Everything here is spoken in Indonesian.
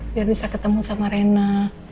biar bisa ketemu sama rena